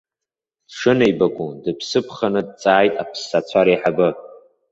Дшынеибаку дыԥсыԥханы дҵааит аԥссацәа реиҳабы.